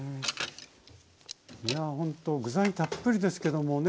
ほんと具材たっぷりですけどもね